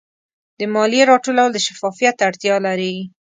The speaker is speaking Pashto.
د مالیې راټولول د شفافیت اړتیا لري.